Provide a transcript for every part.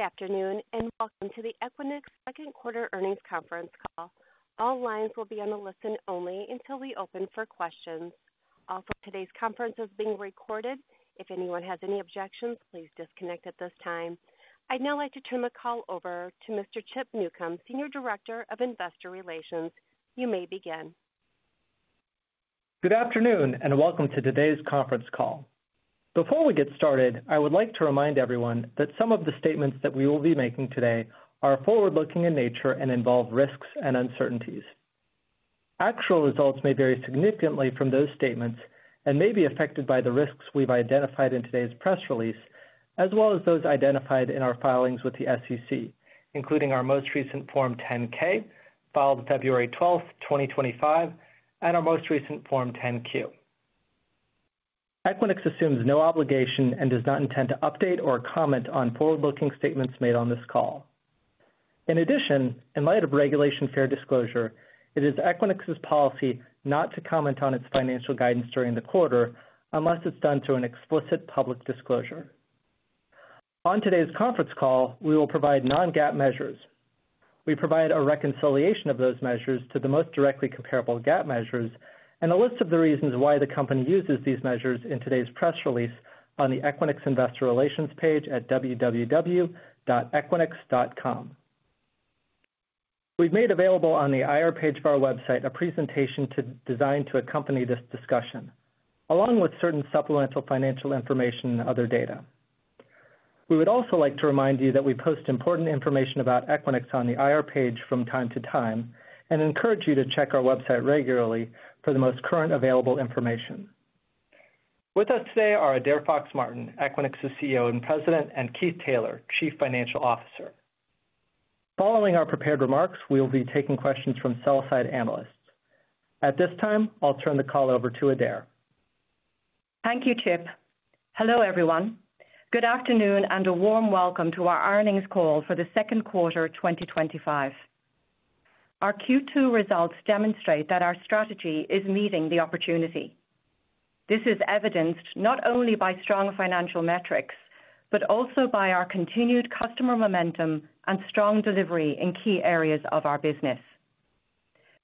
Good afternoon and welcome to the Equinix Second Quarter Earnings Conference call. All lines will be on listen only until we open for questions. Also, today's conference is being recorded. If anyone has any objections, please disconnect at this time. I'd now like to turn the call over to Mr. Chip Newcom, Senior Director of Investor Relations. You may begin. Good afternoon and welcome to today's conference call. Before we get started, I would like to remind everyone that some of the statements that we will be making today are forward-looking in nature and involve risks and uncertainties. Actual results may vary significantly from those statements and may be affected by the risks we've identified in today's press release, as well as those identified in our filings with the SEC, including our most recent Form 10-K, filed February 12, 2025, and our most recent Form 10-Q. Equinix assumes no obligation and does not intend to update or comment on forward-looking statements made on this call. In addition, in light of Regulation Fair Disclosure, it is Equinix's policy not to comment on its financial guidance during the quarter unless it's done through an explicit public disclosure. On today's conference call, we will provide non-GAAP measures. We provide a reconciliation of those measures to the most directly comparable GAAP measures and a list of the reasons why the company uses these measures in today's press release on the Equinix Investor Relations page at www.equinix.com. We've made available on the IR page of our website a presentation designed to accompany this discussion, along with certain supplemental financial information and other data. We would also like to remind you that we post important information about Equinix on the IR page from time to time and encourage you to check our website regularly for the most current available information. With us today are Adaire Fox-Martin, Equinix's CEO and President, and Keith Taylor, Chief Financial Officer. Following our prepared remarks, we will be taking questions from sell-side analysts. At this time, I'll turn the call over to Adaire. Thank you, Chip. Hello, everyone. Good afternoon and a warm welcome to our earnings call for the second quarter 2025. Our Q2 results demonstrate that our strategy is meeting the opportunity. This is evidenced not only by strong financial metrics but also by our continued customer momentum and strong delivery in key areas of our business.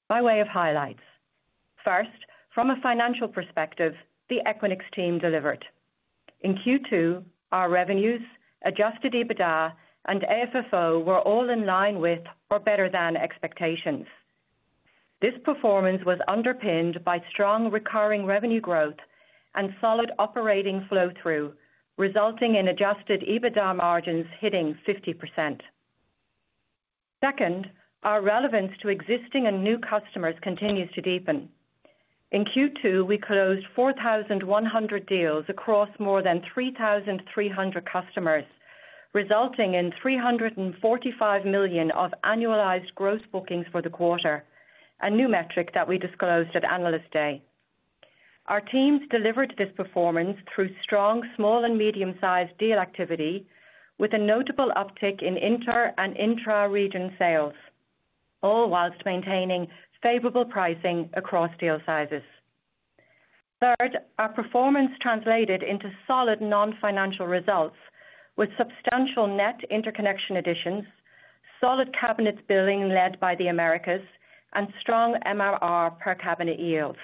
By way of highlights, first, from a financial perspective, the Equinix team delivered. In Q2, our revenues, adjusted EBITDA, and AFFO were all in line with or better than expectations. This performance was underpinned by strong recurring revenue growth and solid operating flow-through, resulting in adjusted EBITDA margins hitting 50%. Second, our relevance to existing and new customers continues to deepen. In Q2, we closed 4,100 deals across more than 3,300 customers, resulting in $345 million of annualized gross bookings for the quarter, a new metric that we disclosed at analyst day. Our teams delivered this performance through strong small and medium-sized deal activity, with a notable uptick in inter and intra-region sales, all whilst maintaining favorable pricing across deal sizes. Third, our performance translated into solid non-financial results with substantial net interconnection additions, solid cabinets billing led by the Americas, and strong MRR per cabinet yields.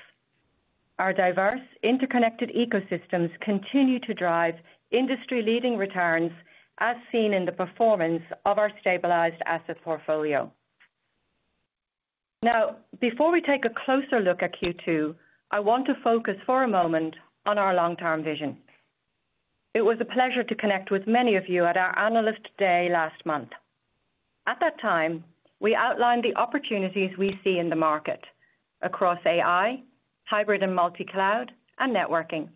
Our diverse interconnected ecosystems continue to drive industry-leading returns, as seen in the performance of our stabilized asset portfolio. Now, before we take a closer look at Q2, I want to focus for a moment on our long-term vision. It was a pleasure to connect with many of you at our analyst day last month. At that time, we outlined the opportunities we see in the market across AI, hybrid and multi-cloud, and networking.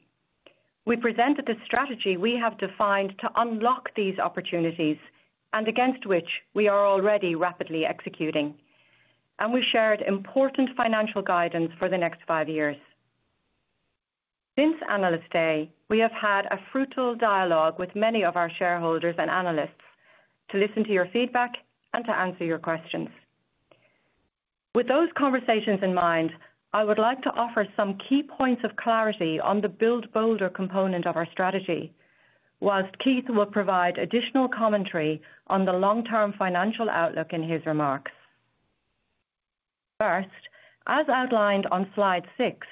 We presented the strategy we have defined to unlock these opportunities and against which we are already rapidly executing, and we shared important financial guidance for the next five years. Since analyst day, we have had a fruitful dialogue with many of our shareholders and analysts to listen to your feedback and to answer your questions. With those conversations in mind, I would like to offer some key points of clarity on the build-bolder component of our strategy, whilst Keith will provide additional commentary on the long-term financial outlook in his remarks. First, as outlined on slide six,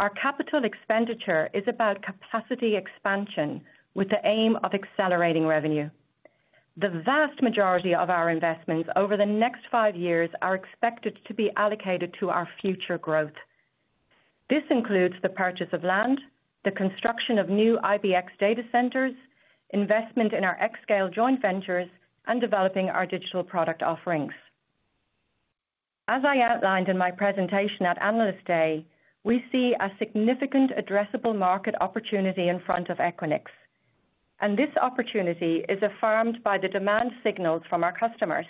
our capital expenditure is about capacity expansion with the aim of accelerating revenue. The vast majority of our investments over the next five years are expected to be allocated to our future growth. This includes the purchase of land, the construction of new IBX data centers, investment in our xScale joint ventures, and developing our digital product offerings. As I outlined in my presentation at analyst day, we see a significant addressable market opportunity in front of Equinix, and this opportunity is affirmed by the demand signals from our customers.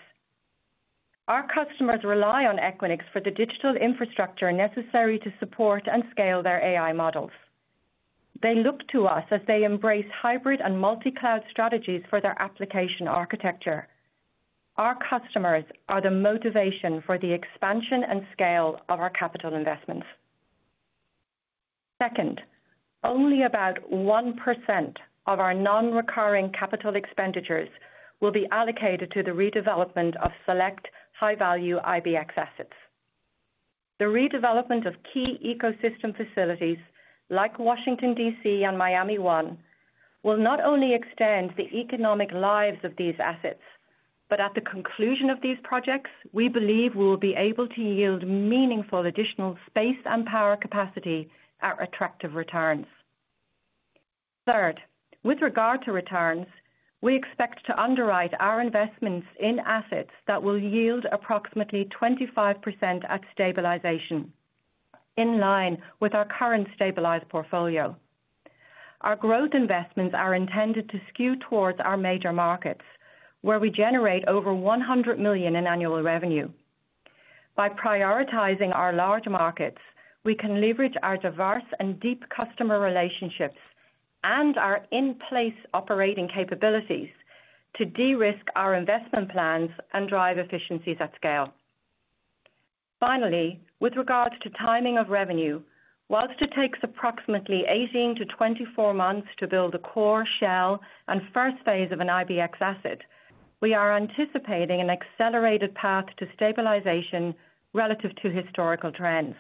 Our customers rely on Equinix for the digital infrastructure necessary to support and scale their AI models. They look to us as they embrace hybrid and multi-cloud strategies for their application architecture. Our customers are the motivation for the expansion and scale of our capital investments. Second, only about 1% of our non-recurring capital expenditures will be allocated to the redevelopment of select high-value IBX assets. The redevelopment of key ecosystem facilities like Washington, D.C., and Miami One will not only extend the economic lives of these assets, but at the conclusion of these projects, we believe we will be able to yield meaningful additional space and power capacity at attractive returns. Third, with regard to returns, we expect to underwrite our investments in assets that will yield approximately 25% at stabilization, in line with our current stabilized portfolio. Our growth investments are intended to skew towards our major markets, where we generate over $100 million in annual revenue. By prioritizing our large markets, we can leverage our diverse and deep customer relationships and our in-place operating capabilities to de-risk our investment plans and drive efficiencies at scale. Finally, with regard to timing of revenue, whilst it takes approximately 18 to 24 months to build a core, shell, and first phase of an IBX asset, we are anticipating an accelerated path to stabilization relative to historical trends.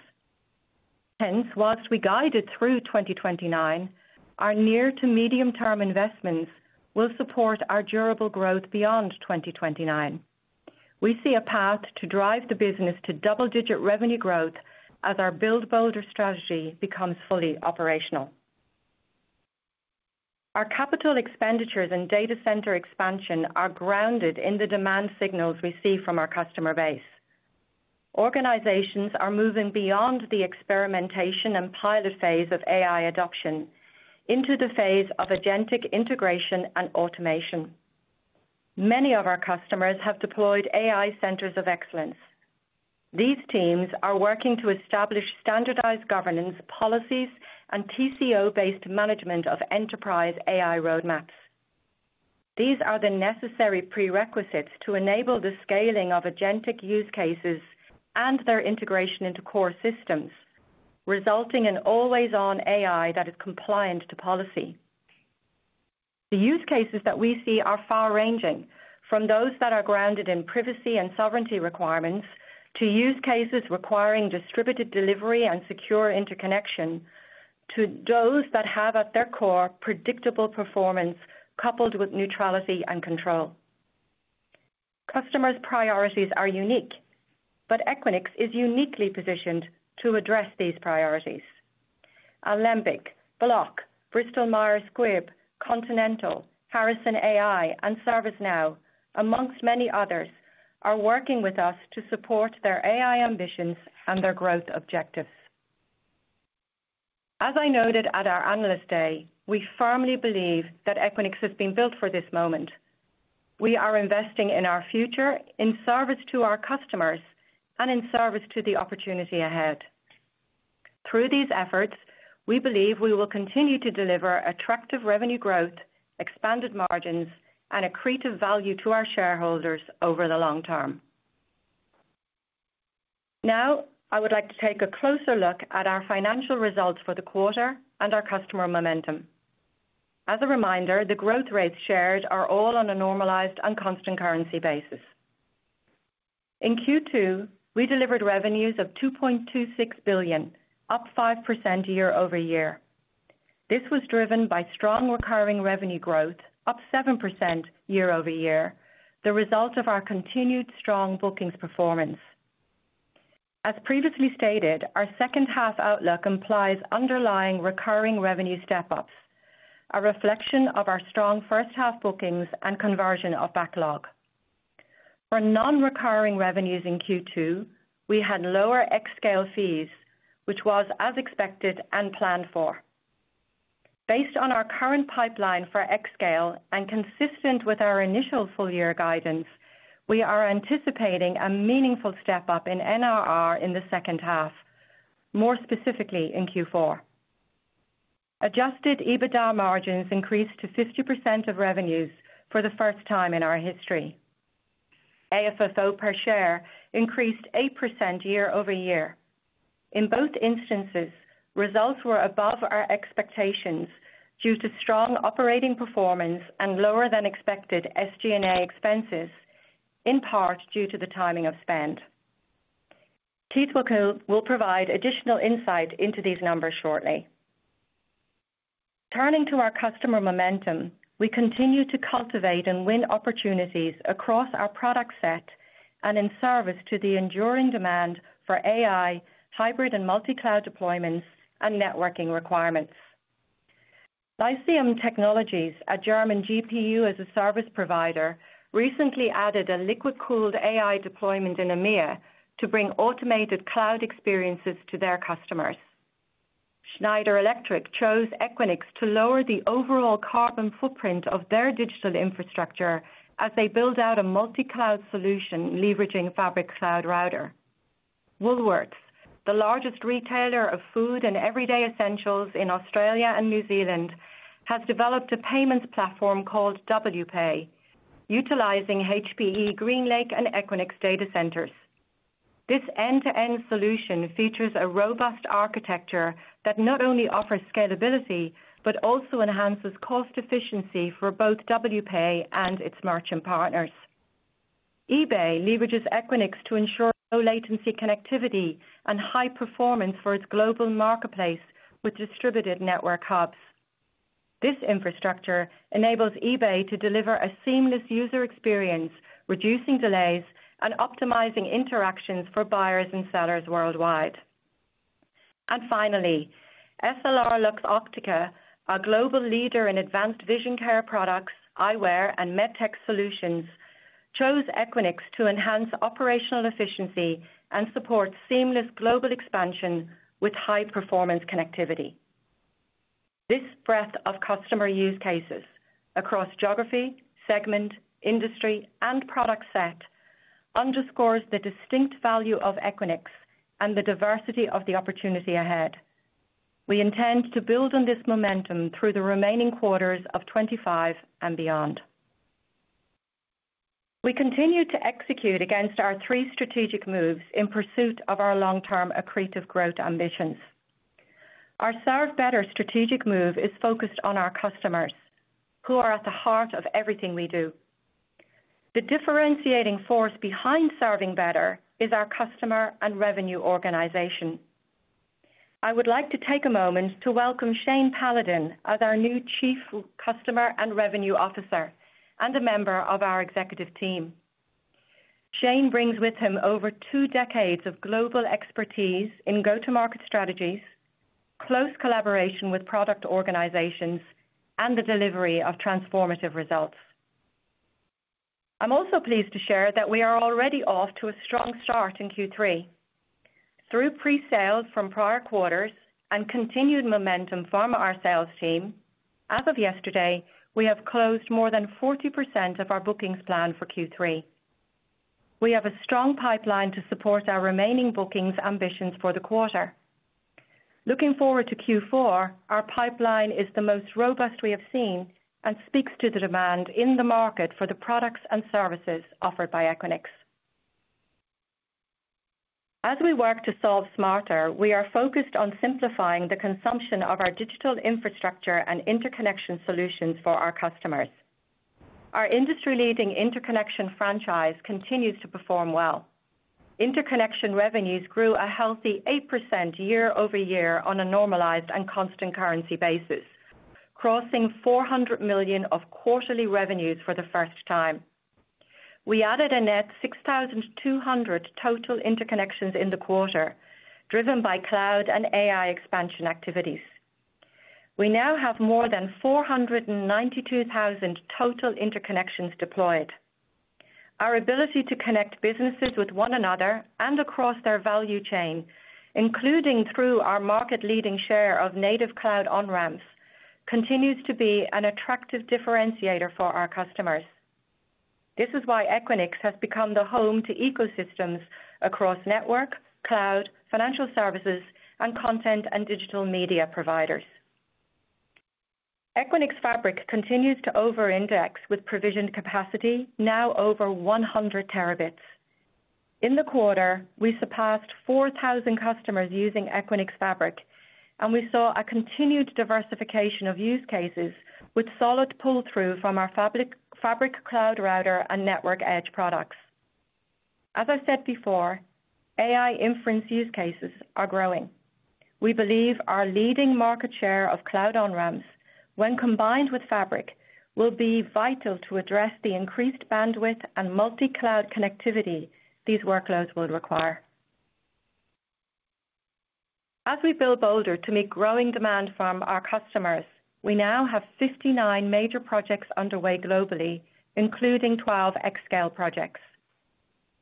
Hence, whilst we guide it through 2029, our near to medium-term investments will support our durable growth beyond 2029. We see a path to drive the business to double-digit revenue growth as our build-bolder strategy becomes fully operational. Our capital expenditures and data center expansion are grounded in the demand signals we see from our customer base. Organizations are moving beyond the experimentation and pilot phase of AI adoption into the phase of agentic integration and automation. Many of our customers have deployed AI centers of excellence. These teams are working to establish standardized governance, policies, and TCO-based management of enterprise AI roadmaps. These are the necessary prerequisites to enable the scaling of agentic use cases and their integration into core systems, resulting in always-on AI that is compliant to policy. The use cases that we see are far-ranging, from those that are grounded in privacy and sovereignty requirements to use cases requiring distributed delivery and secure interconnection, to those that have at their core predictable performance coupled with neutrality and control. Customers' priorities are unique, but Equinix is uniquely positioned to address these priorities. Alembic, Block, Bristol-Myers Squibb, Continental, Harrison AI, and ServiceNow, amongst many others, are working with us to support their AI ambitions and their growth objectives. As I noted at our analyst day, we firmly believe that Equinix has been built for this moment. We are investing in our future, in service to our customers, and in service to the opportunity ahead. Through these efforts, we believe we will continue to deliver attractive revenue growth, expanded margins, and accretive value to our shareholders over the long term. Now, I would like to take a closer look at our financial results for the quarter and our customer momentum. As a reminder, the growth rates shared are all on a normalized and constant currency basis. In Q2, we delivered revenues of $2.26 billion, up 5% year over year. This was driven by strong recurring revenue growth, up 7% year over year, the result of our continued strong bookings performance. As previously stated, our second-half outlook implies underlying recurring revenue step-ups, a reflection of our strong first-half bookings and conversion of backlog. For non-recurring revenues in Q2, we had lower xScale fees, which was as expected and planned for. Based on our current pipeline for xScale and consistent with our initial full-year guidance, we are anticipating a meaningful step-up in NRR in the second half, more specifically in Q4. Adjusted EBITDA margins increased to 50% of revenues for the first time in our history. AFFO per share increased 8% year over year. In both instances, results were above our expectations due to strong operating performance and lower-than-expected SG&A expenses, in part due to the timing of spend. Keith will provide additional insight into these numbers shortly. Turning to our customer momentum, we continue to cultivate and win opportunities across our product set and in service to the enduring demand for AI, hybrid and multi-cloud deployments, and networking requirements. Lyceum Technologies, a German GPU-as-a-service provider, recently added a liquid-cooled AI deployment in EMEA to bring automated cloud experiences to their customers. Schneider Electric chose Equinix to lower the overall carbon footprint of their digital infrastructure as they build out a multi-cloud solution leveraging Equinix Fabric Cloud Router. Woolworths, the largest retailer of food and everyday essentials in Australia and New Zealand, has developed a payments platform called WPay, utilizing HPE GreenLake and Equinix IBX data centers. This end-to-end solution features a robust architecture that not only offers scalability but also enhances cost efficiency for both WPay and its merchant partners. eBay leverages Equinix to ensure low-latency connectivity and high performance for its global marketplace with distributed network hubs. This infrastructure enables eBay to deliver a seamless user experience, reducing delays and optimizing interactions for buyers and sellers worldwide. Finally, SLR Lux Optica, a global leader in advanced vision care products, eyewear, and medtech solutions, chose Equinix to enhance operational efficiency and support seamless global expansion with high-performance connectivity. This breadth of customer use cases across geography, segment, industry, and product set underscores the distinct value of Equinix and the diversity of the opportunity ahead. We intend to build on this momentum through the remaining quarters of 2025 and beyond. We continue to execute against our three strategic moves in pursuit of our long-term accretive growth ambitions. Our Serve Better strategic move is focused on our customers, who are at the heart of everything we do. The differentiating force behind Serving Better is our Customer and Revenue Organization. I would like to take a moment to welcome Shane Paladin as our new Chief Customer and Revenue Officer and a member of our executive team. Shane brings with him over two decades of global expertise in go-to-market strategies, close collaboration with product organizations, and the delivery of transformative results. I'm also pleased to share that we are already off to a strong start in Q3. Through pre-sales from prior quarters and continued momentum from our sales team, as of yesterday, we have closed more than 40% of our bookings plan for Q3. We have a strong pipeline to support our remaining bookings ambitions for the quarter. Looking forward to Q4, our pipeline is the most robust we have seen and speaks to the demand in the market for the products and services offered by Equinix. As we work to solve smarter, we are focused on simplifying the consumption of our digital infrastructure and interconnection solutions for our customers. Our industry-leading interconnection franchise continues to perform well. Interconnection revenues grew a healthy 8% year over year on a normalized and constant currency basis, crossing $400 million of quarterly revenues for the first time. We added a net 6,200 total interconnections in the quarter, driven by cloud and AI expansion activities. We now have more than 492,000 total interconnections deployed. Our ability to connect businesses with one another and across their value chain, including through our market-leading share of native cloud on-ramps, continues to be an attractive differentiator for our customers. This is why Equinix has become the home to ecosystems across network, cloud, financial services, and content and digital media providers. Equinix Fabric continues to overindex with provisioned capacity, now over 100 terabits. In the quarter, we surpassed 4,000 customers using Equinix Fabric, and we saw a continued diversification of use cases with solid pull-through from our Fabric Cloud Router and Network Edge products. As I said before, AI inference use cases are growing. We believe our leading market share of cloud on-ramps, when combined with Fabric, will be vital to address the increased bandwidth and multi-cloud connectivity these workloads will require. As we build bolder to meet growing demand from our customers, we now have 59 major projects underway globally, including 12 xScale projects.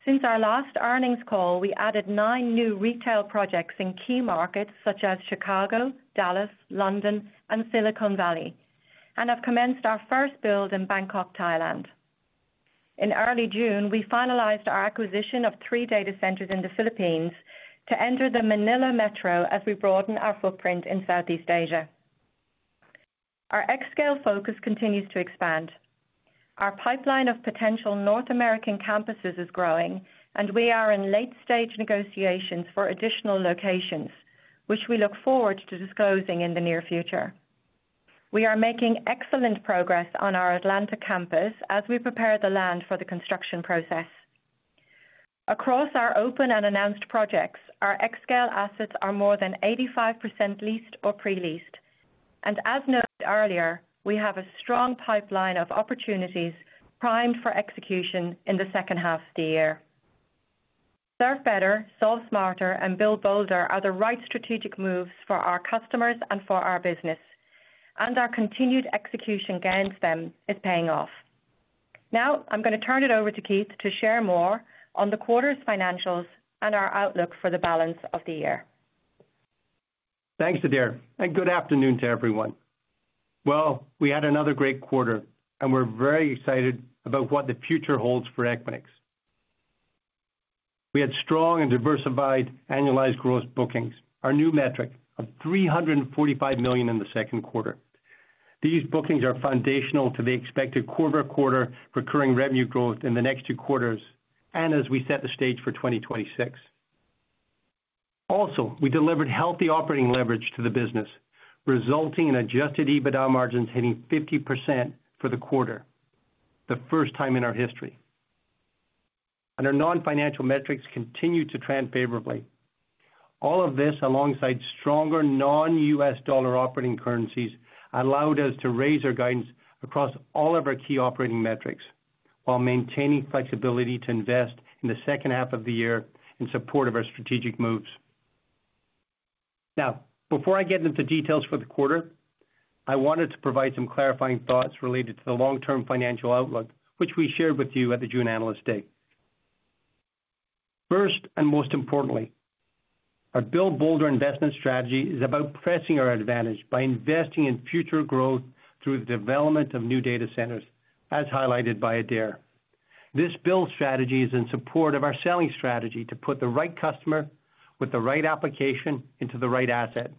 Since our last earnings call, we added nine new retail projects in key markets such as Chicago, Dallas, London, and Silicon Valley, and have commenced our first build in Bangkok, Thailand. In early June, we finalized our acquisition of three data centers in the Philippines to enter the Manila Metro as we broaden our footprint in Southeast Asia. Our xScale focus continues to expand. Our pipeline of potential North American campuses is growing, and we are in late-stage negotiations for additional locations, which we look forward to disclosing in the near future. We are making excellent progress on our Atlanta campus as we prepare the land for the construction process. Across our open and announced projects, our xScale assets are more than 85% leased or pre-leased, and as noted earlier, we have a strong pipeline of opportunities primed for execution in the second half of the year. Serve Better, Solve Smarter, and Build Bolder are the right strategic moves for our customers and for our business. Our continued execution against them is paying off. Now, I'm going to turn it over to Keith to share more on the quarter's financials and our outlook for the balance of the year. Thanks, Adaire, and good afternoon to everyone. We had another great quarter, and we're very excited about what the future holds for Equinix. We had strong and diversified annualized gross bookings, our new metric, of $345 million in the second quarter. These bookings are foundational to the expected quarter-over-quarter recurring revenue growth in the next two quarters and as we set the stage for 2026. Also, we delivered healthy operating leverage to the business, resulting in adjusted EBITDA margins hitting 50% for the quarter, the first time in our history. Our non-financial metrics continued to trend favorably. All of this, alongside stronger non-U.S. dollar operating currencies, allowed us to raise our guidance across all of our key operating metrics while maintaining flexibility to invest in the second half of the year in support of our strategic moves. Before I get into the details for the quarter, I wanted to provide some clarifying thoughts related to the long-term financial outlook, which we shared with you at the June analyst day. First and most importantly, our Build Bolder investment strategy is about pressing our advantage by investing in future growth through the development of new data centers, as highlighted by Adaire. This build strategy is in support of our selling strategy to put the right customer with the right application into the right asset.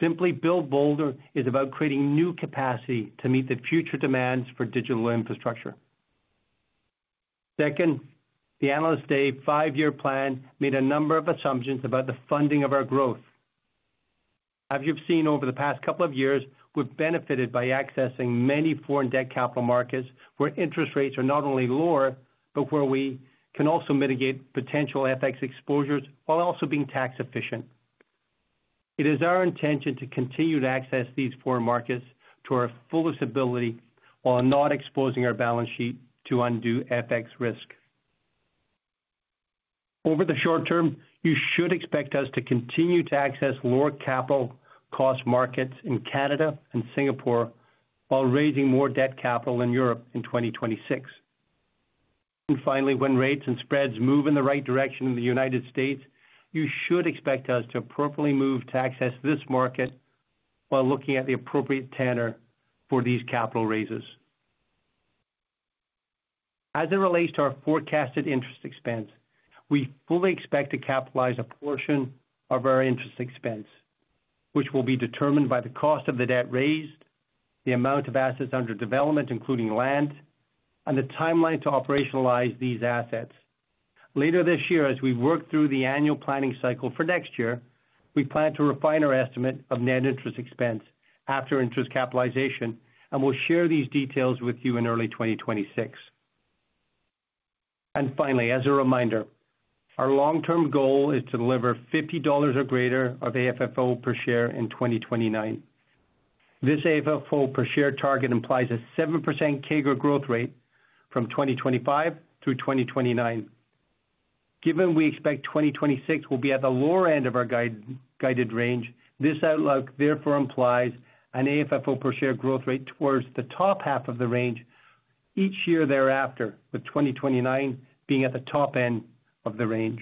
Simply, Build Bolder is about creating new capacity to meet the future demands for digital infrastructure. Second, the analyst day five-year plan made a number of assumptions about the funding of our growth. As you've seen over the past couple of years, we've benefited by accessing many foreign debt capital markets where interest rates are not only lower, but where we can also mitigate potential FX exposures while also being tax efficient. It is our intention to continue to access these foreign markets to our fullest ability while not exposing our balance sheet to undue FX risk. Over the short term, you should expect us to continue to access lower capital cost markets in Canada and Singapore while raising more debt capital in Europe in 2026. Finally, when rates and spreads move in the right direction in the U.S., you should expect us to appropriately move to access this market, while looking at the appropriate tenor for these capital raises. As it relates to our forecasted interest expense, we fully expect to capitalize a portion of our interest expense, which will be determined by the cost of the debt raised, the amount of assets under development, including land, and the timeline to operationalize these assets. Later this year, as we work through the annual planning cycle for next year, we plan to refine our estimate of net interest expense after interest capitalization, and we'll share these details with you in early 2026. Finally, as a reminder, our long-term goal is to deliver $50 or greater of AFFO per share in 2029. This AFFO per share target implies a 7% CAGR growth rate from 2025 through 2029. Given we expect 2026 will be at the lower end of our guided range, this outlook therefore implies an AFFO per share growth rate towards the top half of the range each year thereafter, with 2029 being at the top end of the range.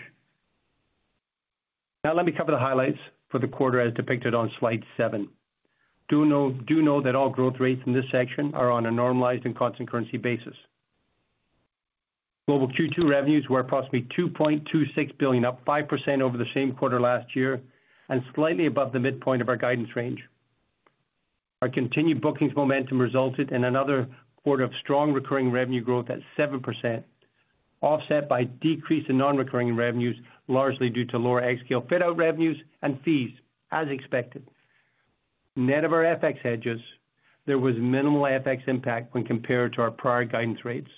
Now, let me cover the highlights for the quarter as depicted on Slide 7. Do know that all growth rates in this section are on a normalized and constant currency basis. Global Q2 revenues were approximately $2.26 billion, up 5% over the same quarter last year and slightly above the midpoint of our guidance range. Our continued bookings momentum resulted in another quarter of strong recurring revenue growth at 7%, offset by decrease in non-recurring revenues, largely due to lower xScale fit-out revenues and fees, as expected. Net of our FX hedges, there was minimal FX impact when compared to our prior guidance rates.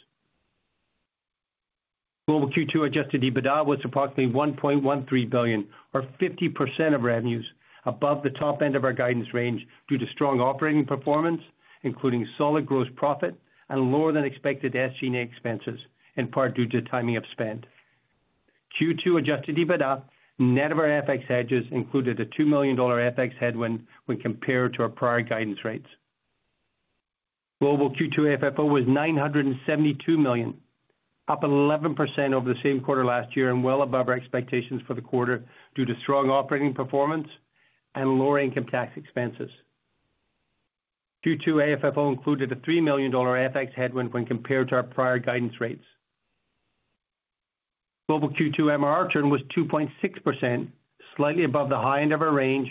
Global Q2 adjusted EBITDA was approximately $1.13 billion, or 50% of revenues, above the top end of our guidance range due to strong operating performance, including solid gross profit and lower than expected SG&A expenses, in part due to timing of spend. Q2 adjusted EBITDA, net of our FX hedges, included a $2 million FX headwind when compared to our prior guidance rates. Global Q2 AFFO was $972 million, up 11% over the same quarter last year and well above our expectations for the quarter due to strong operating performance and lower income tax expenses. Q2 AFFO included a $3 million FX headwind when compared to our prior guidance rates. Global Q2 MRR churn was 2.6%, slightly above the high end of our range,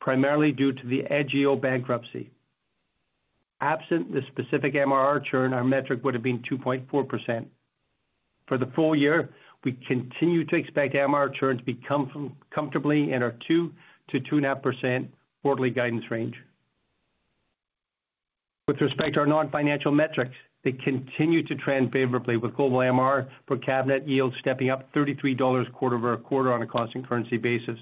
primarily due to the Edge EO bankruptcy. Absent the specific MRR churn, our metric would have been 2.4%. For the full year, we continue to expect MRR churn to be comfortably in our 2% to 2.5% quarterly guidance range. With respect to our non-financial metrics, they continue to trend favorably, with global MRR per cabinet yield stepping up $33 quarter over quarter on a constant currency basis,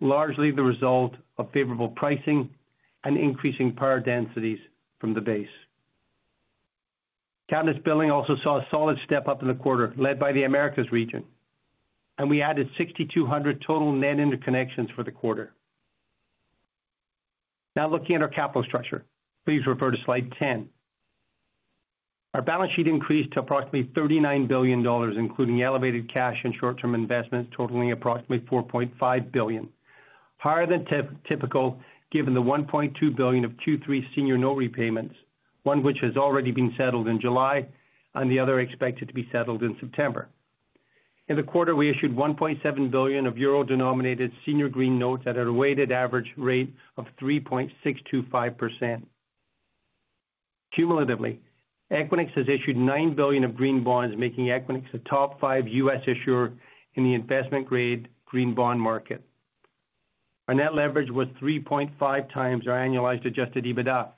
largely the result of favorable pricing and increasing power densities from the base. Cabinets billing also saw a solid step up in the quarter, led by the Americas region. We added 6,200 total net interconnections for the quarter. Now, looking at our capital structure, please refer to Slide 10. Our balance sheet increased to approximately $39 billion, including elevated cash and short-term investments, totaling approximately $4.5 billion, higher than typical given the $1.2 billion of Q3 senior note repayments, one which has already been settled in July and the other expected to be settled in September. In the quarter, we issued $1.7 billion of euro-denominated senior green notes at a weighted average rate of 3.625%. Cumulatively, Equinix has issued $9 billion of green bonds, making Equinix a top five U.S. issuer in the investment-grade green bond market. Our net leverage was 3.5 times our annualized adjusted EBITDA.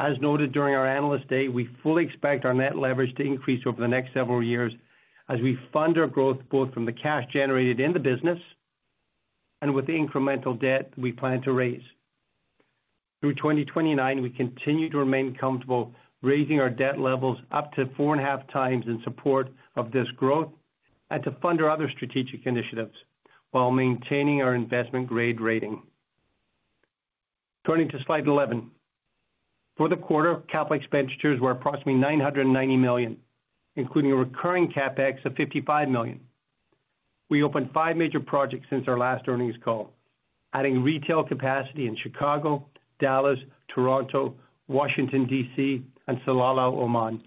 As noted during our analyst day, we fully expect our net leverage to increase over the next several years as we fund our growth both from the cash generated in the business and with the incremental debt we plan to raise. Through 2029, we continue to remain comfortable raising our debt levels up to 4.5 times in support of this growth and to fund our other strategic initiatives while maintaining our investment-grade rating. Turning to Slide 11. For the quarter, capital expenditures were approximately $990 million, including a recurring CapEx of $55 million. We opened five major projects since our last earnings call, adding retail capacity in Chicago, Dallas, Toronto, Washington, D.C., and Salalah, Oman.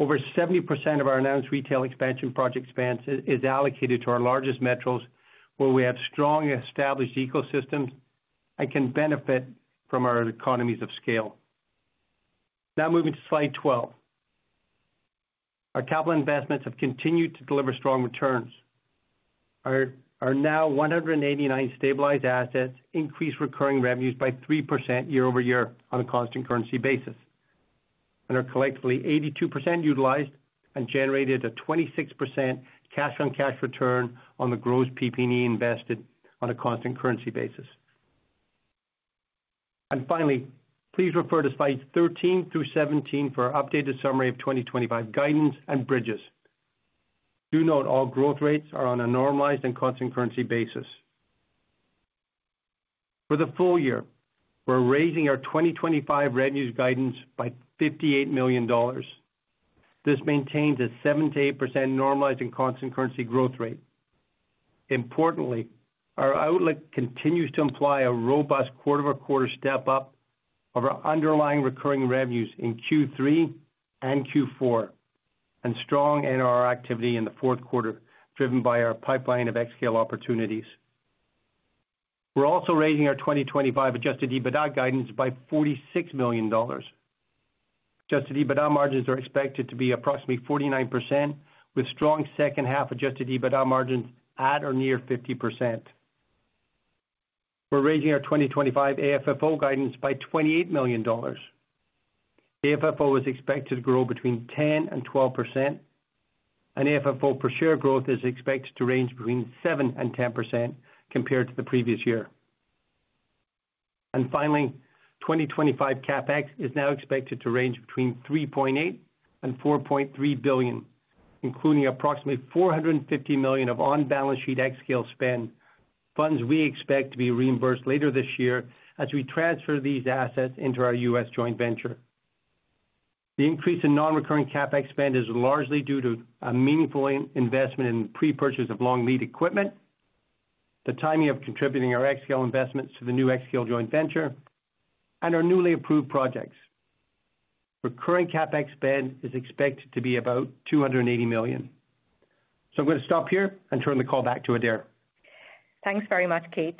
Over 70% of our announced retail expansion project spend is allocated to our largest metros, where we have strong established ecosystems and can benefit from our economies of scale. Now, moving to Slide 12. Our capital investments have continued to deliver strong returns. Our now 189 stabilized assets increased recurring revenues by 3% year over year on a constant currency basis. They are collectively 82% utilized and generated a 26% cash-on-cash return on the gross PP&E invested on a constant currency basis. Please refer to Slides 13 through 17 for our updated summary of 2025 guidance and bridges. Do note all growth rates are on a normalized and constant currency basis. For the full year, we're raising our 2025 revenues guidance by $58 million. This maintains a 7% to 8% normalized and constant currency growth rate. Importantly, our outlook continues to imply a robust quarter-over-quarter step up of our underlying recurring revenues in Q3 and Q4. Strong NRR activity in the fourth quarter is driven by our pipeline of xScale opportunities. We're also raising our 2025 adjusted EBITDA guidance by $46 million. Adjusted EBITDA margins are expected to be approximately 49%, with strong second half adjusted EBITDA margins at or near 50%. We're raising our 2025 AFFO guidance by $28 million. AFFO is expected to grow between 10% and 12%. AFFO per share growth is expected to range between 7% and 10% compared to the previous year. 2025 CapEx is now expected to range between $3.8 billion and $4.3 billion, including approximately $450 million of on-balance sheet xScale spend, funds we expect to be reimbursed later this year as we transfer these assets into our U.S. joint venture. The increase in non-recurring CapEx spend is largely due to a meaningful investment in the pre-purchase of long-lead equipment, the timing of contributing our xScale investments to the new xScale joint venture, and our newly approved projects. Recurring CapEx spend is expected to be about $280 million. I'm going to stop here and turn the call back to Adaire. Thanks very much, Keith.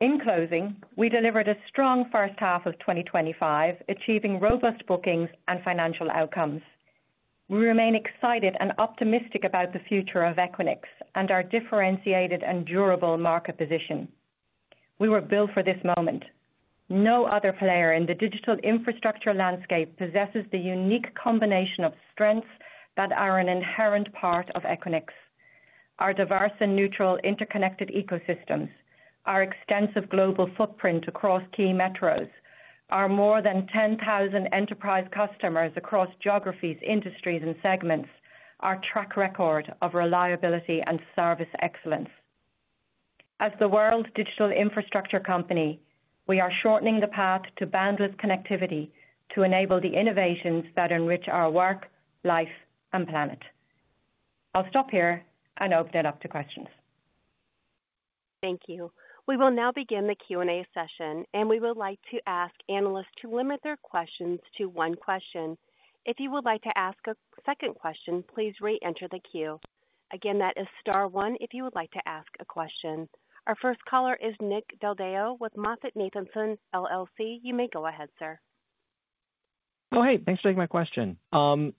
In closing, we delivered a strong first half of 2025, achieving robust bookings and financial outcomes. We remain excited and optimistic about the future of Equinix and our differentiated and durable market position. We were built for this moment. No other player in the digital infrastructure landscape possesses the unique combination of strengths that are an inherent part of Equinix. Our diverse and neutral interconnected ecosystems, our extensive global footprint across key metros, our more than 10,000 enterprise customers across geographies, industries, and segments, our track record of reliability and service excellence. As the world digital infrastructure company, we are shortening the path to bandwidth connectivity to enable the innovations that enrich our work, life, and planet. I'll stop here and open it up to questions. Thank you. We will now begin the Q&A session, and we would like to ask analysts to limit their questions to one question. If you would like to ask a second question, please re-enter the queue. Again, that is Star 1 if you would like to ask a question. Our first caller is Nick Deldao with Moffett-Nathanson, LLC. You may go ahead, sir. Oh, hey, thanks for taking my question.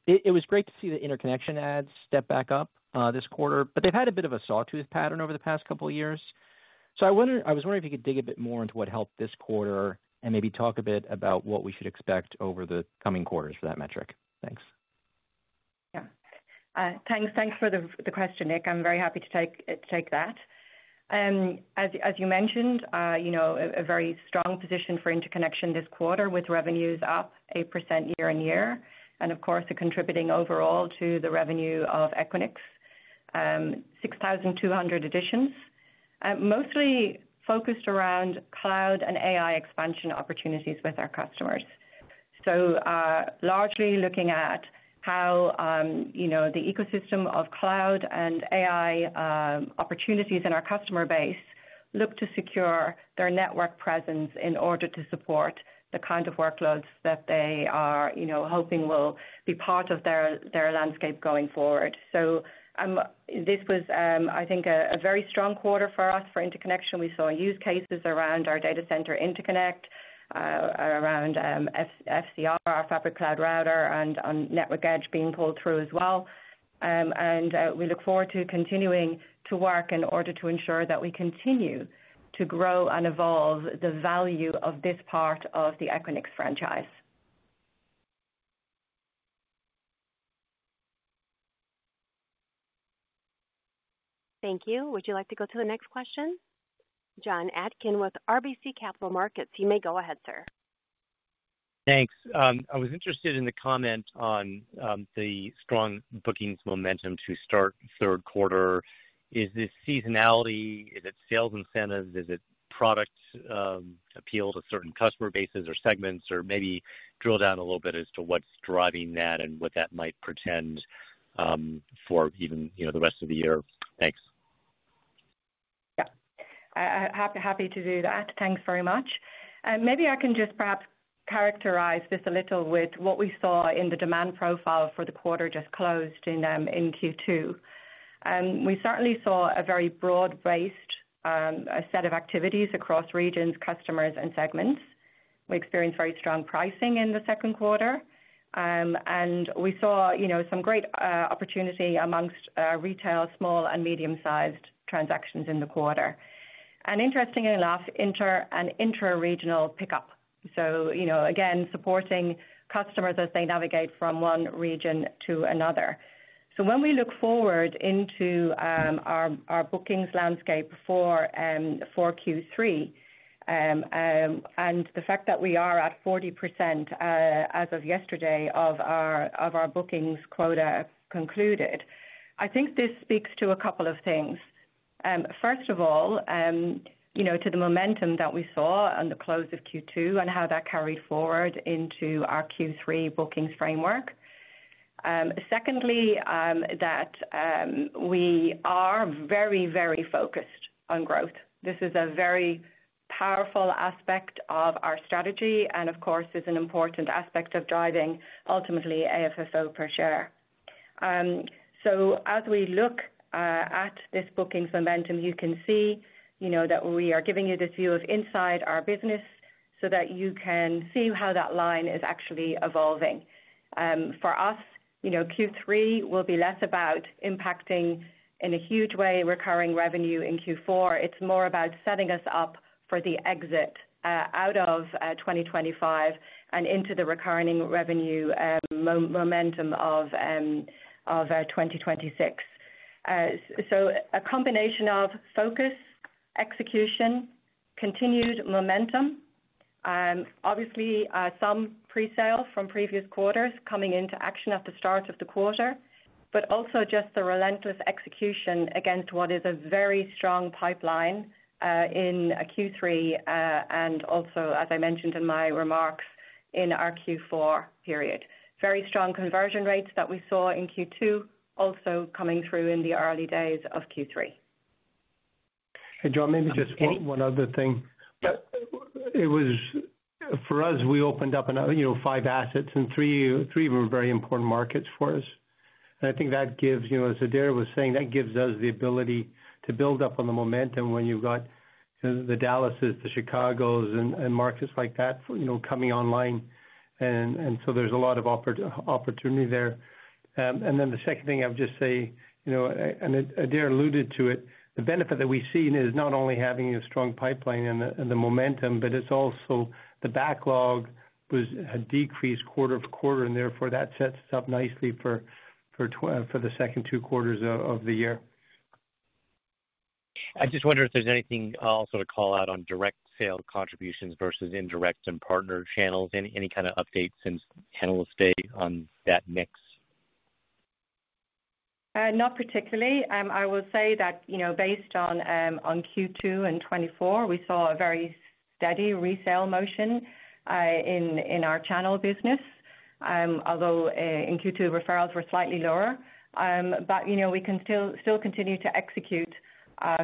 It was great to see the interconnection ads step back up this quarter, but they've had a bit of a sawtooth pattern over the past couple of years. I was wondering if you could dig a bit more into what helped this quarter and maybe talk a bit about what we should expect over the coming quarters for that metric. Thanks. Yeah. Thanks for the question, Nick. I'm very happy to take that. As you mentioned. A very strong position for interconnection this quarter with revenues up 8% year on year, and of course, contributing overall to the revenue of Equinix. 6,200 additions, mostly focused around cloud and AI expansion opportunities with our customers. Largely looking at how the ecosystem of cloud and AI opportunities in our customer base look to secure their network presence in order to support the kind of workloads that they are hoping will be part of their landscape going forward. This was, I think, a very strong quarter for us for interconnection. We saw use cases around our data center interconnect, around FCR, our fabric cloud router, and network edge being pulled through as well. We look forward to continuing to work in order to ensure that we continue to grow and evolve the value of this part of the Equinix franchise. Thank you. Would you like to go to the next question? John Adkin with RBC Capital Markets. You may go ahead, sir. Thanks. I was interested in the comment on the strong bookings momentum to start third quarter. Is this seasonality? Is it sales incentives? Is it product appeal to certain customer bases or segments, or maybe drill down a little bit as to what's driving that and what that might portend for even the rest of the year? Thanks. Yeah. Happy to do that. Thanks very much. Maybe I can just perhaps characterize this a little with what we saw in the demand profile for the quarter just closed in Q2. We certainly saw a very broad-based set of activities across regions, customers, and segments. We experienced very strong pricing in the second quarter, and we saw some great opportunity amongst retail, small, and medium-sized transactions in the quarter. Interestingly enough, an interregional pickup, supporting customers as they navigate from one region to another. When we look forward into our bookings landscape for Q3 and the fact that we are at 40% as of yesterday of our bookings quota concluded, I think this speaks to a couple of things. First of all, to the momentum that we saw on the close of Q2 and how that carried forward into our Q3 bookings framework. Secondly, we are very, very focused on growth. This is a very powerful aspect of our strategy and, of course, is an important aspect of driving ultimately AFFO per share. As we look at this bookings momentum, you can see that we are giving you this view of inside our business so that you can see how that line is actually evolving for us. Q3 will be less about impacting in a huge way recurring revenue in Q4. It's more about setting us up for the exit out of 2025 and into the recurring revenue momentum of 2026. A combination of focus, execution, continued momentum, obviously some pre-sale from previous quarters coming into action at the start of the quarter, but also just the relentless execution against what is a very strong pipeline in Q3 and also, as I mentioned in my remarks, in our Q4 period. Very strong conversion rates that we saw in Q2 also coming through in the early days of Q3. Hey, John, maybe just one other thing. For us, we opened up five assets, and three were very important markets for us. I think that gives, as Adaire was saying, that gives us the ability to build up on the momentum when you've got the Dallases, the Chicagos, and markets like that coming online. There's a lot of opportunity there. The second thing I would just say. Adaire alluded to it, the benefit that we've seen is not only having a strong pipeline and the momentum, but it's also the backlog. There was a decrease quarter to quarter, and therefore that sets us up nicely for the second two quarters of the year. I just wonder if there's anything also to call out on direct sale contributions versus indirect and partner channels. Any kind of updates since analyst day on that mix? Not particularly. I will say that based on Q2 2024, we saw a very steady resale motion in our channel business, although in Q2, referrals were slightly lower. We can still continue to execute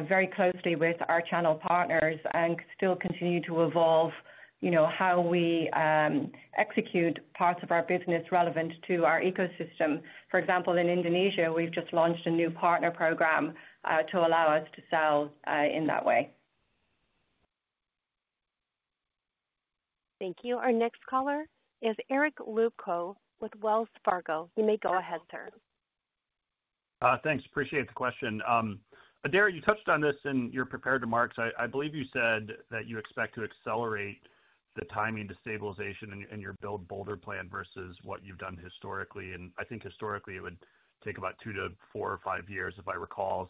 very closely with our channel partners and still continue to evolve how we execute parts of our business relevant to our ecosystem. For example, in Indonesia, we've just launched a new partner program to allow us to sell in that way. Thank you. Our next caller is Eric Luebchow with Wells Fargo. You may go ahead, sir. Thanks. Appreciate the question. Adaire, you touched on this in your prepared remarks. I believe you said that you expect to accelerate the timing to stabilization in your Build Bolder Plan versus what you've done historically. I think historically, it would take about two to four or five years, if I recall.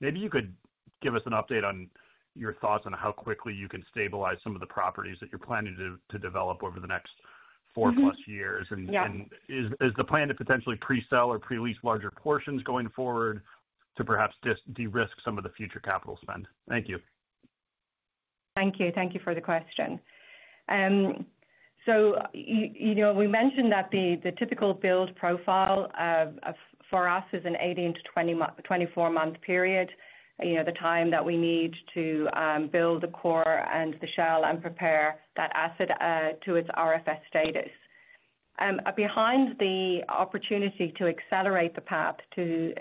Maybe you could give us an update on your thoughts on how quickly you can stabilize some of the properties that you're planning to develop over the next four plus years. Is the plan to potentially pre-sell or pre-lease larger portions going forward to perhaps de-risk some of the future capital spend? Thank you. Thank you for the question. We mentioned that the typical build profile for us is an 18 to 24-month period, the time that we need to build the core and the shell and prepare that asset to its RFS status. Behind the opportunity to accelerate the path to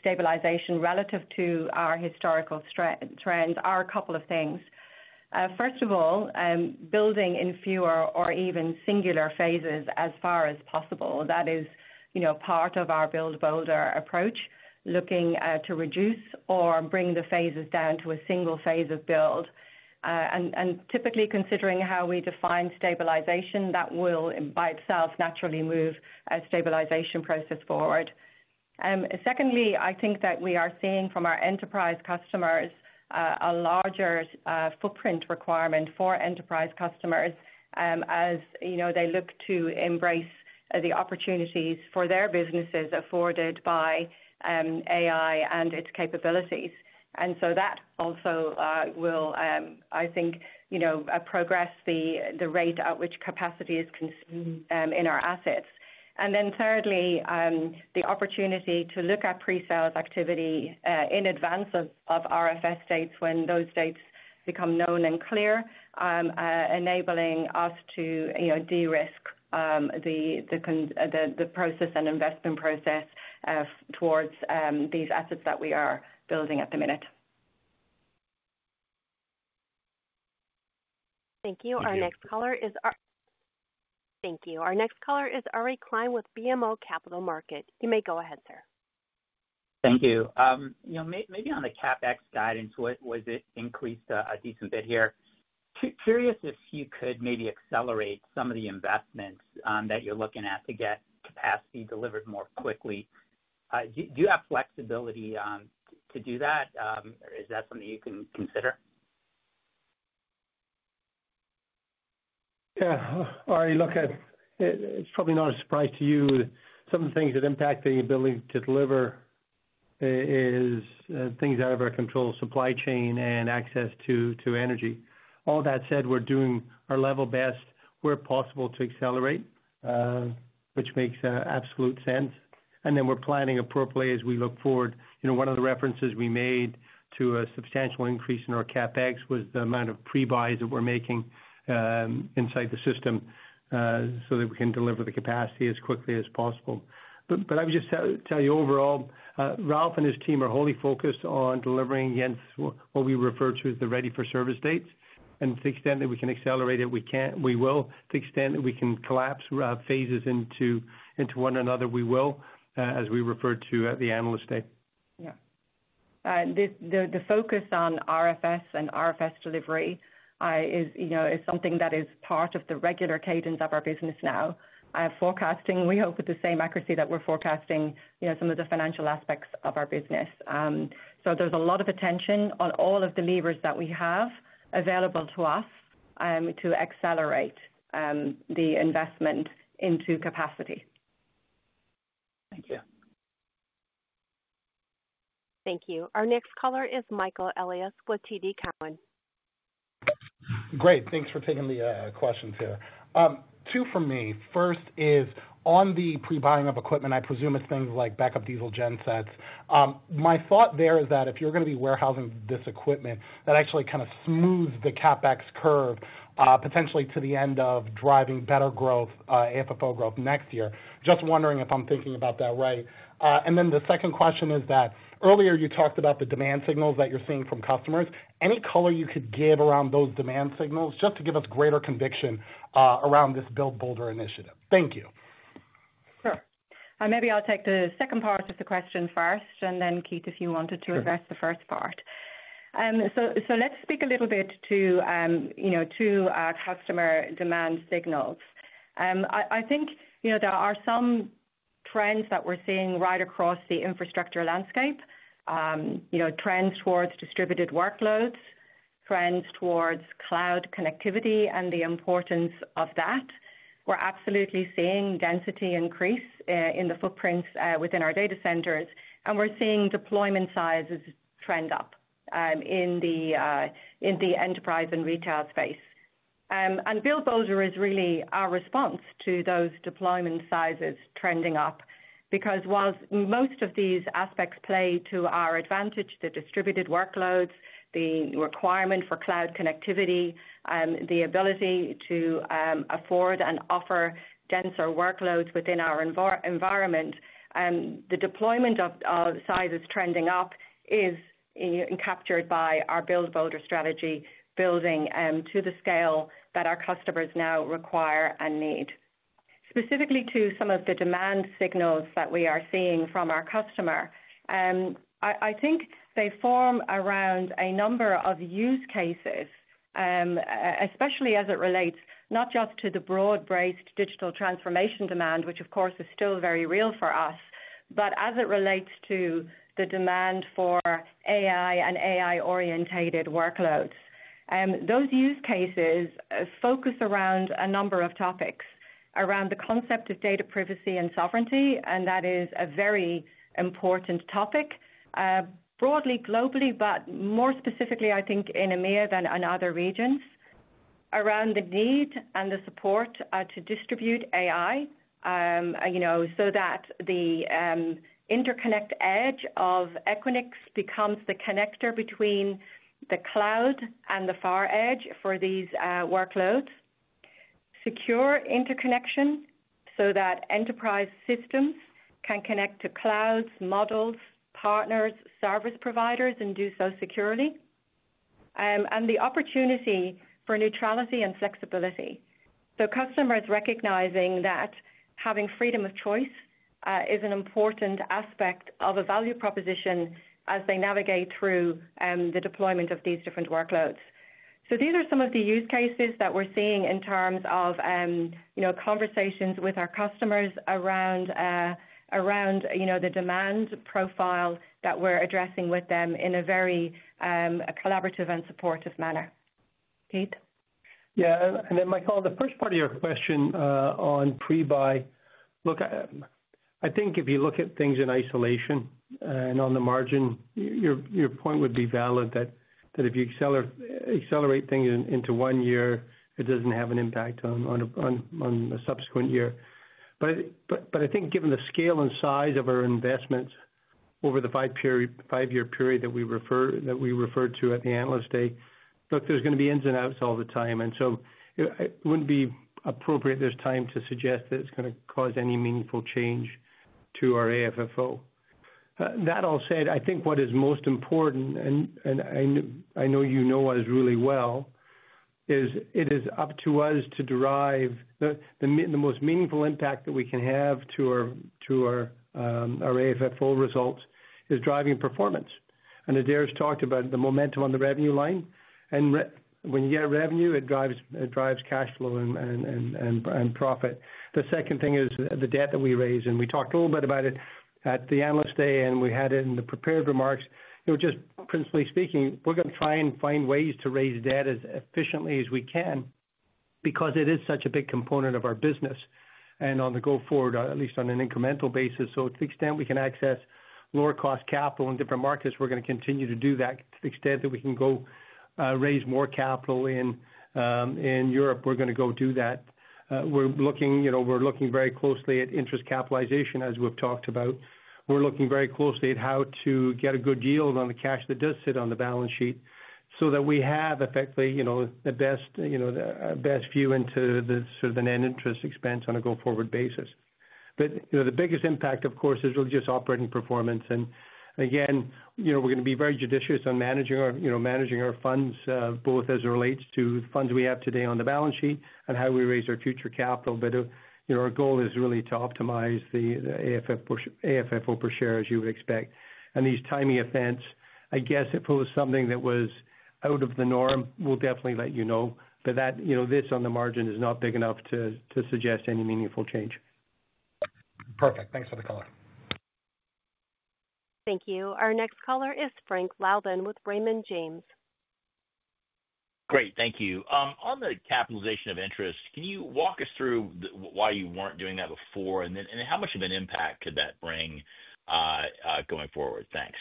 stabilization relative to our historical trends are a couple of things. First of all, building in fewer or even singular phases as far as possible. That is part of our Build Bolder approach, looking to reduce or bring the phases down to a single phase of build. Typically, considering how we define stabilization, that will by itself naturally move a stabilization process forward. Secondly, I think that we are seeing from our enterprise customers a larger footprint requirement for enterprise customers as they look to embrace the opportunities for their businesses afforded by AI and its capabilities. That also will, I think. Progress the rate at which capacity is consumed in our assets. Thirdly, the opportunity to look at pre-sales activity in advance of RFS dates when those dates become known and clear, enabling us to de-risk the process and investment process towards these assets that we are building at the minute. Thank you. Our next caller is Ari Klein with BMO Capital Markets. You may go ahead, sir. Thank you. Maybe on the CapEx guidance, was it increased a decent bit here? Curious if you could maybe accelerate some of the investments that you're looking at to get capacity delivered more quickly. Do you have flexibility to do that? Is that something you can consider? Yeah. Ari, look, it's probably not a surprise to you. Some of the things that impact the ability to deliver are things out of our control, supply chain and access to energy. All that said, we're doing our level best where possible to accelerate, which makes absolute sense. We're planning appropriately as we look forward. One of the references we made to a substantial increase in our CapEx was the amount of pre-buys that we're making inside the system so that we can deliver the capacity as quickly as possible. I would just tell you overall, Raouf and his team are wholly focused on delivering against what we refer to as the ready-for-service dates. To the extent that we can accelerate it, we will. To the extent that we can collapse phases into one another, we will, as we refer to at the analyst day. The focus on RFS and RFS delivery is something that is part of the regular cadence of our business now, forecasting, we hope, with the same accuracy that we're forecasting some of the financial aspects of our business. There's a lot of attention on all of the levers that we have available to us to accelerate the investment into capacity. Thank you. Thank you. Our next caller is Michael Elliott with TD Cowen. Great. Thanks for taking the questions, sir. Two for me. First is on the pre-buying of equipment, I presume it's things like backup diesel gensets. My thought there is that if you're going to be warehousing this equipment, that actually kind of smooths the CapEx curve potentially to the end of driving better growth, AFFO growth next year. Just wondering if I'm thinking about that right. The second question is that earlier you talked about the demand signals that you're seeing from customers. Any color you could give around those demand signals just to give us greater conviction around this Build Bolder initiative? Thank you. Sure. Maybe I'll take the second part of the question first, and then Keith, if you wanted to address the first part. Let's speak a little bit to two customer demand signals. I think there are some trends that we're seeing right across the infrastructure landscape. Trends towards distributed workloads, trends towards cloud connectivity, and the importance of that. We're absolutely seeing density increase in the footprints within our data centers, and we're seeing deployment sizes trend up in the enterprise and retail space. Build Bolder is really our response to those deployment sizes trending up because while most of these aspects play to our advantage, the distributed workloads, the requirement for cloud connectivity, the ability to afford and offer denser workloads within our environment, the deployment of sizes trending up is captured by our Build Bolder strategy, building to the scale that our customers now require and need. Specifically to some of the demand signals that we are seeing from our customer, I think they form around a number of use cases, especially as it relates not just to the broad-based digital transformation demand, which of course is still very real for us, but as it relates to the demand for AI and AI-orientated workloads. Those use cases focus around a number of topics around the concept of data privacy and sovereignty, and that is a very important topic broadly, globally, but more specifically, I think, in EMEA than in other regions. Around the need and the support to distribute AI so that the interconnect edge of Equinix becomes the connector between the cloud and the far edge for these workloads. Secure interconnection so that enterprise systems can connect to clouds, models, partners, service providers, and do so securely. The opportunity for neutrality and flexibility, so customers recognizing that having freedom of choice is an important aspect of a value proposition as they navigate through the deployment of these different workloads. These are some of the use cases that we're seeing in terms of conversations with our customers around the demand profile that we're addressing with them in a very collaborative and supportive manner. Keith? Yeah. Michael, the first part of your question on pre-buy, if you look at things in isolation and on the margin, your point would be valid that if you accelerate things into one year, it doesn't have an impact on the subsequent year. I think given the scale and size of our investments over the five-year period that we refer to at the analyst day, there's going to be ins and outs all the time. It wouldn't be appropriate at this time to suggest that it's going to cause any meaningful change to our AFFO. That all said, what is most important, and I know you know us really well, is it is up to us to derive the most meaningful impact that we can have to our AFFO results by driving performance. Adaire's talked about the momentum on the revenue line, and when you get revenue, it drives cash flow and profit. The second thing is the debt that we raise. We talked a little bit about it at the analyst day, and we had it in the prepared remarks. Principally speaking, we're going to try and find ways to raise debt as efficiently as we can because it is such a big component of our business. On the go forward, at least on an incremental basis, to the extent we can access lower-cost capital in different markets, we're going to continue to do that. To the extent that we can go raise more capital in Europe, we're going to go do that. We're looking very closely at interest capitalization, as we've talked about. We're looking very closely at how to get a good yield on the cash that does sit on the balance sheet so that we have effectively the best view into the net interest expense on a go forward basis. The biggest impact, of course, is really just operating performance. We're going to be very judicious on managing our funds, both as it relates to the funds we have today on the balance sheet and how we raise our future capital. Our goal is really to optimize the AFFO per share, as you would expect. These timing events, I guess if it was something that was out of the norm, we'll definitely let you know. This on the margin is not big enough to suggest any meaningful change. Perfect. Thanks for the call. Thank you. Our next caller is Frank Loudon with Raymond James. Great. Thank you. On the capitalization of interest, can you walk us through why you weren't doing that before and how much of an impact could that bring going forward? Thanks.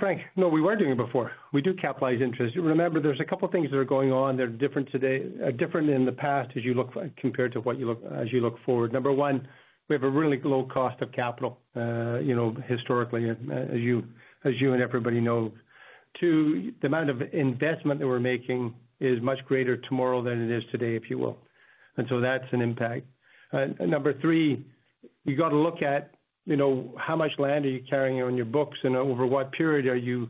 Frank, no, we weren't doing it before. We do capitalize interest. Remember, there's a couple of things that are going on that are different. In the past, as you look compared to what you see as you look forward. Number one, we have a really low cost of capital, historically, as you and everybody knows. Two, the amount of investment that we're making is much greater tomorrow than it is today, if you will, and that's an impact. Number three, you got to look at how much land are you carrying on your books and over what period are you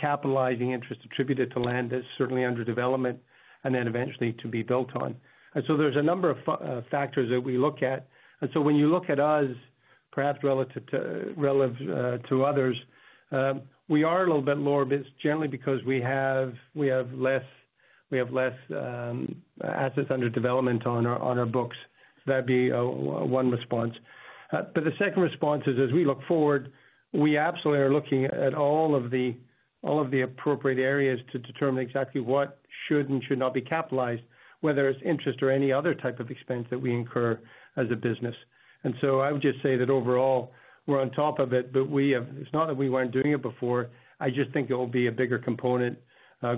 capitalizing interest attributed to land that's certainly under development and then eventually to be built on. There's a number of factors that we look at. When you look at us, perhaps relative to others, we are a little bit lower, but it's generally because we have less assets under development on our books. That'd be one response. The second response is, stylistically could be “as we look forward, we are absolutely looking at all of the appropriate areas to determine exactly what should and should not be capitalized, whether it's interest or any other type of expense that we incur as a business. I would just say that overall, we're on top of it, but it's not that we weren't doing it before. I just think it will be a bigger component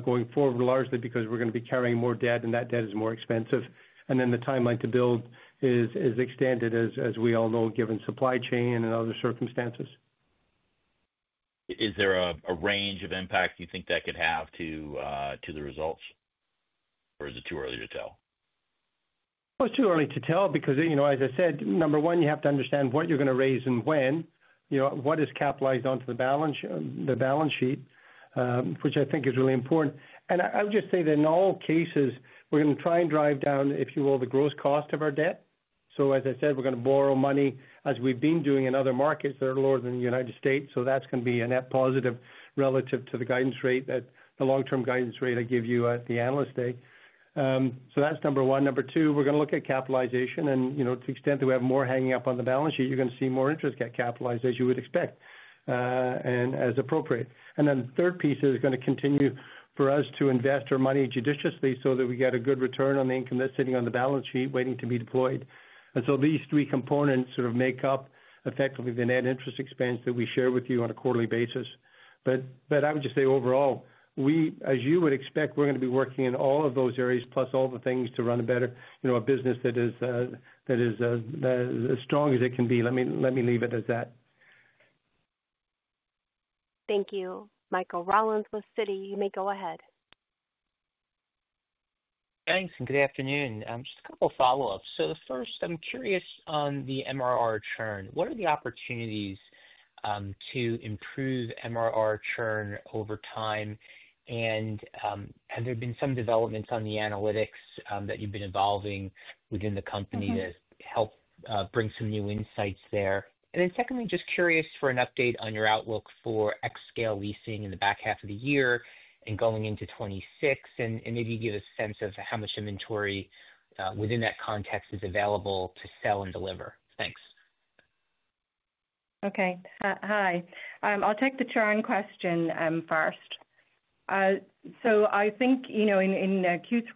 going forward, largely because we're going to be carrying more debt and that debt is more expensive. The timeline to build is extended, as we all know, given supply chain and other circumstances. Is there a range of impact you think that could have to the results? Or is it too early to tell? It's too early to tell because, as I said, number one, you have to understand what you're going to raise and when. What is capitalized onto the balance sheet, which I think is really important. I would just say that in all cases, we're going to try and drive down, if you will, the gross cost of our debt. As I said, we're going to borrow money as we've been doing in other markets that are lower than the U.S. That's going to be a net positive relative to the guidance rate, the long-term guidance rate I give you at the analyst day. That's number one. Number two, we're going to look at capitalization, and to the extent that we have more hanging up on the balance sheet, you're going to see more interest get capitalized as you would expect and as appropriate. And then the third piece is going to continue for us to invest our money judiciously so that we get a good return on the income that's sitting on the balance sheet waiting to be deployed. These three components make up effectively the net interest expense that we share with you on a quarterly basis. I would just say overall, as you would expect, we're going to be working in all of those areas, plus all the things to run a business that is as strong as it can be. Let me leave it at that. Thank you. Michael Rollins with Citi, you may go ahead. Thanks, and good afternoon. Just a couple of follow-ups. First, I'm curious on the MRR churn. What are the opportunities to improve MRR churn over time? Have there been some developments on the analytics that you've been evolving within the company that help bring some new insights there? Secondly, just curious for an update on your outlook for xScale leasing in the back half of the year and going into 2026, and maybe give a sense of how much inventory within that context is available to sell and deliver. Thanks. Hi. I'll take the churn question first. I think in Q3,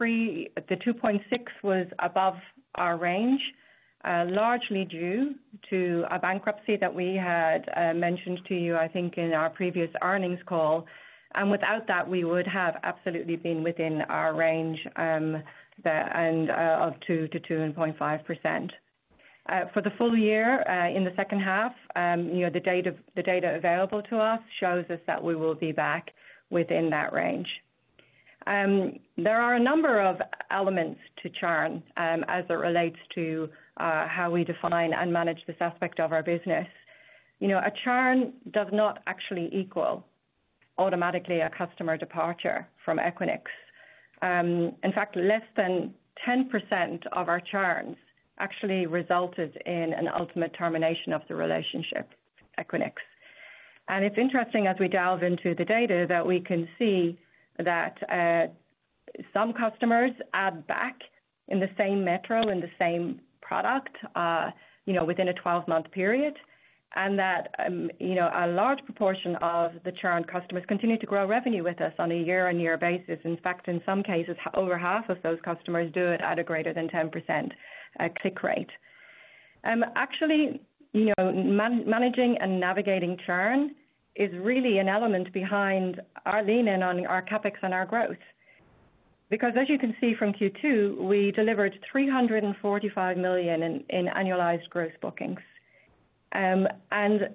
the 2.6% was above our range, largely due to a bankruptcy that we had mentioned to you, I think, in our previous earnings call. Without that, we would have absolutely been within our range of 2% to 2.5%. For the full year in the second half, the data available to us shows us that we will be back within that range. There are a number of elements to churn as it relates to how we define and manage this aspect of our business. Churn does not actually equal automatically a customer departure from Equinix. In fact, less than 10% of our churns actually resulted in an ultimate termination of the relationship with Equinix. It's interesting as we delve into the data that we can see that some customers add back in the same metro, in the same product, within a 12-month period, and that a large proportion of the churned customers continue to grow revenue with us on a year-on-year basis. In fact, in some cases, over half of those customers do it at a greater than 10% click rate. Actually, managing and navigating churn is really an element behind our lean operations, our CapEx, and our growth, because as you can see from Q2, we delivered $345 million in annualized gross bookings, and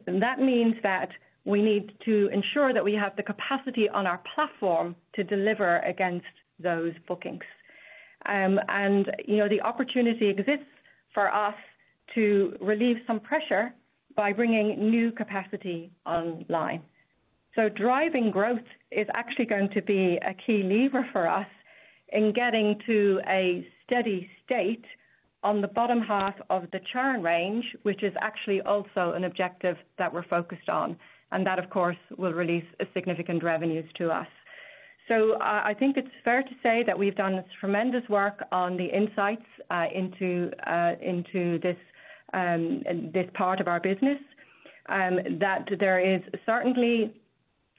that means that we need to ensure that we have the capacity on our platform to deliver against those bookings. The opportunity exists for us to relieve some pressure by bringing new capacity online. Driving growth is actually going to be a key lever for us in getting to a steady state on the bottom half of the churn range, which is actually also an objective that we're focused on. That, of course, will release significant revenues to us. I think it's fair to say that we've done tremendous work on the insights into this part of our business. There is certainly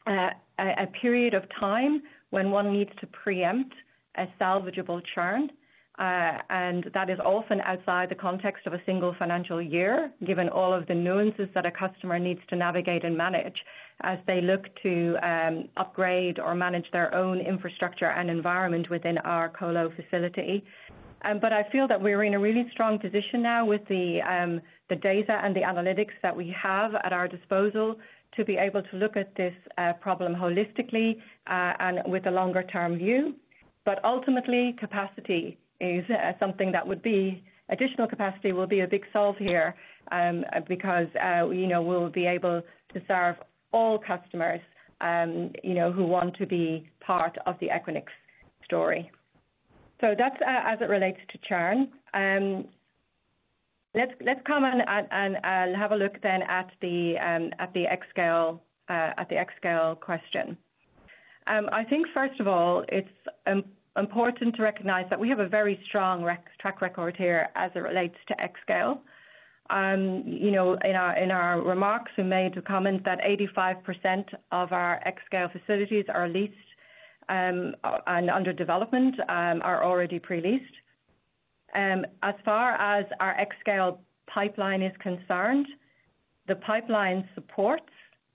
a period of time when one needs to preempt a salvageable churn, and that is often outside the context of a single financial year, given all of the nuances that a customer needs to navigate and manage as they look to upgrade or manage their own infrastructure and environment within our colo facility. I feel that we're in a really strong position now with the data and the analytics that we have at our disposal to be able to look at this problem holistically and with a longer-term view. Ultimately, additional capacity will be a big solve here because we'll be able to serve all customers who want to be part of the Equinix story. That's as it relates to churn. Let's come and have a look then at the xScale question. First of all, it's important to recognize that we have a very strong track record here as it relates to xScale. In our remarks, we made the comment that 85% of our xScale facilities are leased and under development, or already pre-leased. As far as our xScale pipeline is concerned, the pipeline supports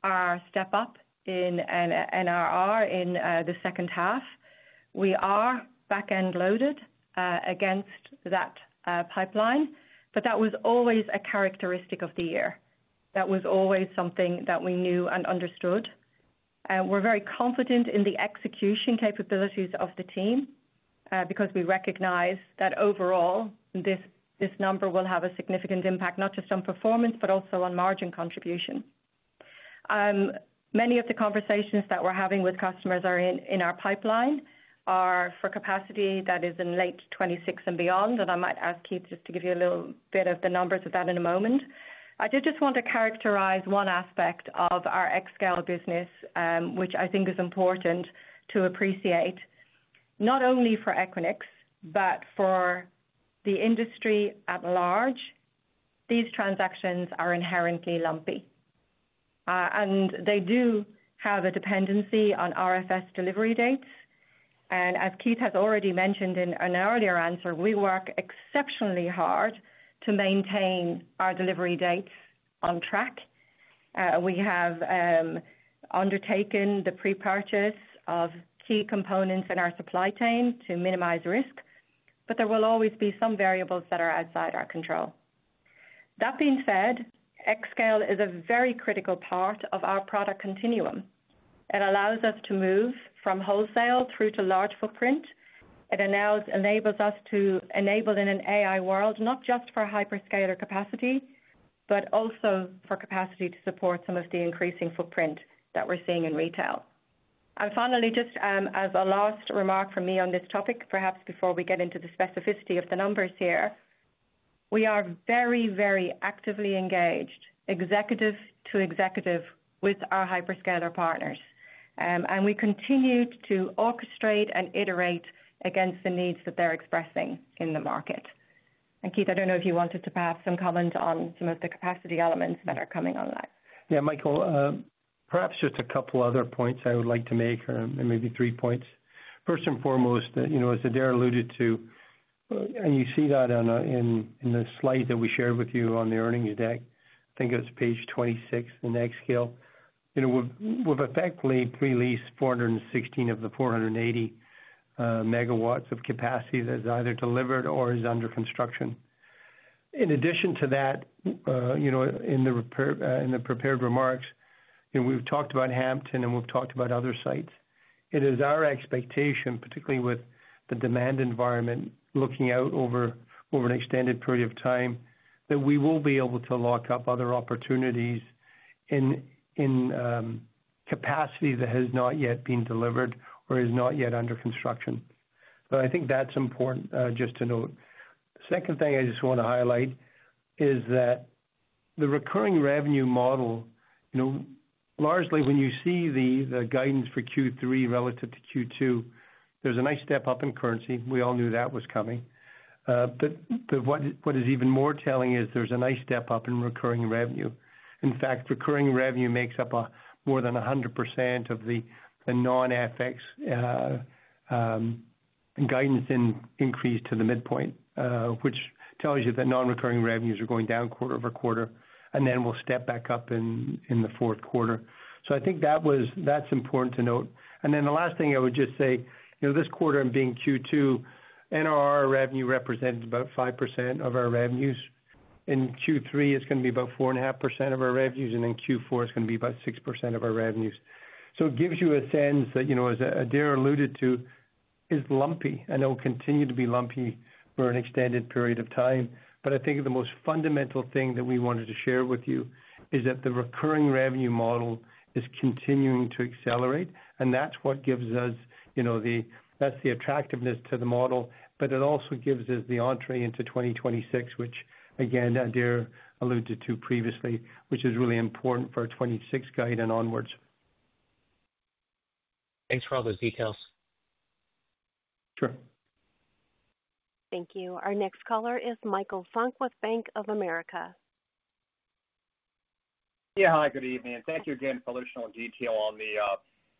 our step up in NRR in the second half. We are back-end loaded against that pipeline, but that was always a characteristic of the year. That was always something that we knew and understood. We're very confident in the execution capabilities of the team because we recognize that overall, this number will have a significant impact, not just on performance, but also on margin contribution. Many of the conversations that we're having with customers in our pipeline are for capacity that is in late 2026 and beyond. I might ask Keith just to give you a little bit of the numbers of that in a moment. I did just want to characterize one aspect of our xScale business, which I think is important to appreciate. Not only for Equinix but for the industry at large, these transactions are inherently lumpy, and they do have a dependency on RFS delivery dates. As Keith has already mentioned in an earlier answer, we work exceptionally hard to maintain our delivery dates on track. We have undertaken the pre-purchase of key components in our supply chain to minimize risk, but there will always be some variables that are outside our control. That being said, xScale is a very critical part of our product continuum. It allows us to move from wholesale through to large footprint. It enables us to enable in an AI world, not just for hyperscaler capacity, but also for capacity to support some of the increasing footprint that we're seeing in retail. Finally, just as a last remark from me on this topic, perhaps before we get into the specificity of the numbers here, we are very, very actively engaged, executive to executive, with our hyperscaler partners. We continue to orchestrate and iterate against the needs that they're expressing in the market. Keith, I don't know if you wanted to perhaps add some comments on some of the capacity elements that are coming online. Yeah, Michael, perhaps just a couple of other points I would like to make, and maybe three points. First and foremost, as Adaire alluded to, and you see that in the slide that we shared with you on the earnings deck, I think it was page 26, the xScale. We've effectively pre-leased 416 of the 480 megawatts of capacity that's either delivered or is under construction. In addition to that, in the prepared remarks, we've talked about Hampton and we've talked about other sites. It is our expectation, particularly with the demand environment looking out over an extended period of time, that we will be able to lock up other opportunities in capacity that has not yet been delivered or is not yet under construction. I think that's important just to note. The second thing I just want to highlight is that the recurring revenue model, largely when you see the guidance for Q3 relative to Q2, there's a nice step up in currency. We all knew that was coming. What is even more telling is there's a nice step up in recurring revenue. In fact, recurring revenue makes up more than 100% of the non-FX guidance increase to the midpoint, which tells you that non-recurring revenues are going down quarter over quarter, and then will step back up in the fourth quarter. I think that's important to note. The last thing I would just say, this quarter being Q2, NRR revenue represented about 5% of our revenues. In Q3, it's going to be about 4.5% of our revenues, and in Q4, it's going to be about 6% of our revenues. It gives you a sense that, as Adaire alluded to, is lumpy and it will continue to be lumpy for an extended period of time. “I think the most fundamental thing that we wanted to share with you is that the recurring revenue model continues to accelerate, and that's what gives us the attractiveness of the model. It also gives us the entrée into 2026, which, again, Adaire alluded to previously, which is really important for our 2026 guide and onwards. Thanks for all those details. Sure. Thank you. Our next caller is Michael Funk with Bank of America. Yeah, hi, good evening. Thank you again for the additional detail on the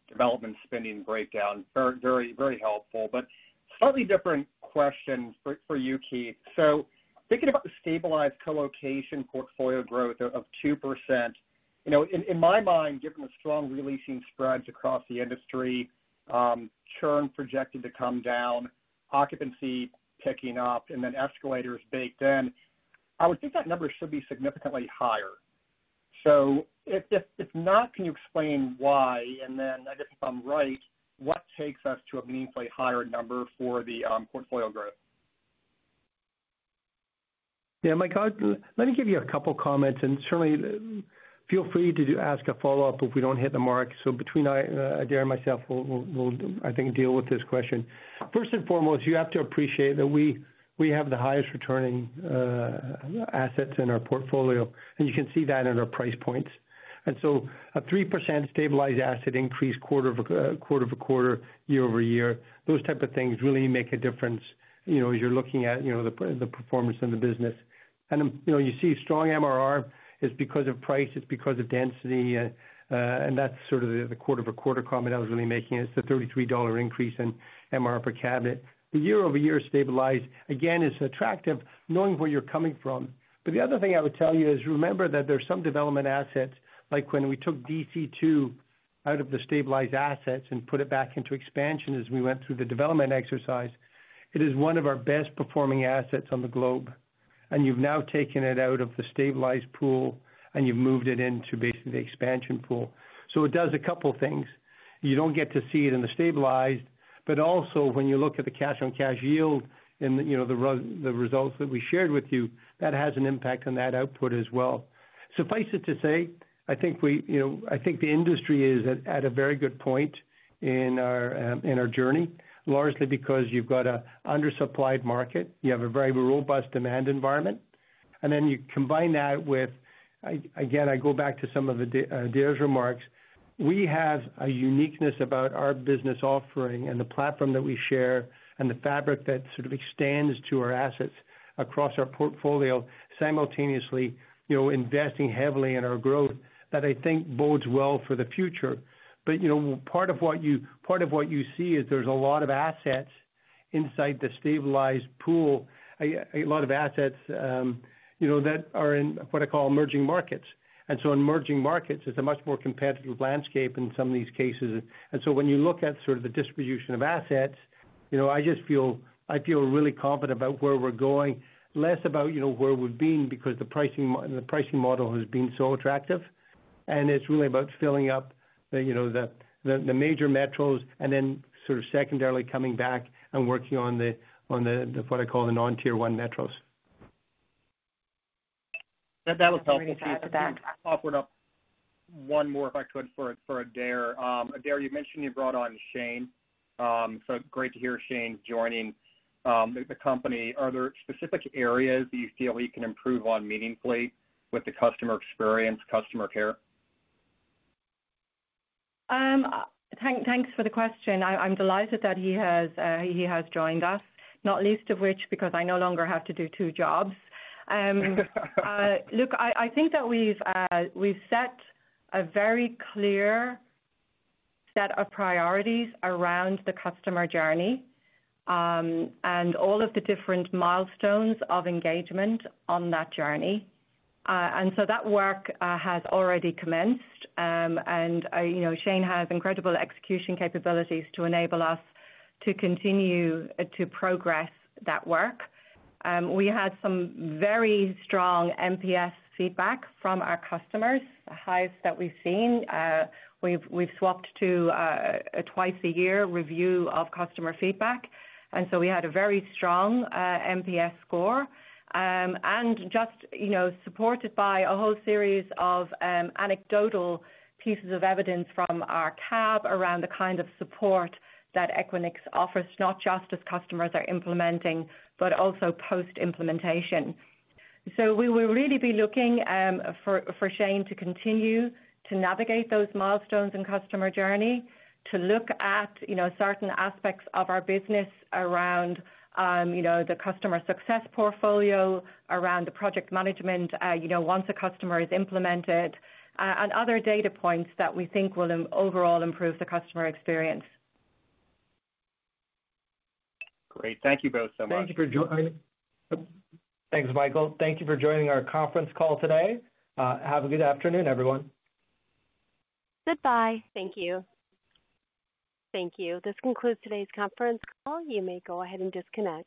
development spending breakdown. Very helpful. Slightly different question for you, Keith. Thinking about the stabilized colocation portfolio growth of 2%. In my mind, given the strong releasing spreads across the industry, churn projected to come down, occupancy picking up, and then escalators baked in, I would think that number should be significantly higher. If not, can you explain why? I guess if I'm right, what takes us to a meaningfully higher number for the portfolio growth? Yeah, Michael, let me give you a couple of comments, and certainly feel free to ask a follow-up if we don't hit the mark. Between Adaire and myself, we'll, I think, deal with this question. First and foremost, you have to appreciate that we have the highest returning assets in our portfolio, and you can see that in our price points. A 3% stabilized asset increase quarter over quarter, year over year, those types of things really make a difference as you're looking at the performance in the business. You see strong MRR is because of price, it's because of density, and that's sort of the quarter over quarter comment I was really making. It's the $33 increase in MRR per cabinet. The year-over-year stabilized, again, is attractive knowing where you're coming from. The other thing I would tell you is remember that there are some development assets, like when we took DC2 out of the stabilized assets and put it back into expansion as we went through the development exercise, it is one of our best-performing assets on the globe. You've now taken it out of the stabilized pool, and you've moved it into basically the expansion pool. It does a couple of things. You don't get to see it in the stabilized, but also when you look at the cash-on-cash yield and the results that we shared with you, that has an impact on that output as well. Suffice it to say, I think the industry is at a very good point in our journey, largely because you've got an undersupplied market, you have a very robust demand environment. You combine that with, again, I go back to some of Adaire's remarks. We have a uniqueness about our business offering and the platform that we share and the Fabric that sort of extends to our assets across our portfolio, simultaneously investing heavily in our growth that I think bodes well for the future. Part of what you see is there's a lot of assets inside the stabilized pool, a lot of assets that are in what I call emerging markets. In emerging markets, it's a much more competitive landscape in some of these cases. When you look at sort of the distribution of assets, I just feel really confident about where we're going, less about where we've been because the pricing model has been so attractive. It's really about filling up the major metros and then sort of secondarily coming back and working on what I call the non-tier one metros. That was helpful for you. I just wanted to offer up one more question for Adaire. Adaire, you mentioned you brought on Shane. So great to hear Shane joining the company. Are there specific areas that you feel he can improve on meaningfully with the customer experience, customer care? Thanks for the question. I'm delighted that he has joined us, not least of which because I no longer have to do two jobs. Look, I think that we've set a very clear set of priorities around the customer journey and all of the different milestones of engagement on that journey. That work has already commenced, and Shane has incredible execution capabilities to enable us to continue to progress that work. We had some very strong NPS feedback from our customers, the highest that we've seen. We've swapped to a twice-a-year review of customer feedback, and so we had a very strong NPS score, supported by a whole series of anecdotal pieces of evidence from our CAB around the kind of support that Equinix offers, not just as customers are implementing, but also post-implementation. We will really be looking for Shane to continue to navigate those milestones in customer journey, to look at certain aspects of our business around. The customer success portfolio, around the project management once a customer is implemented, and other data points that we think will overall improve the customer experience. Great. Thank you both so much. Thank you for joining. Thanks, Michael. Thank you for joining our conference call today. Have a good afternoon, everyone. Goodbye. Thank you. Thank you. This concludes today's conference call. You may go ahead and disconnect.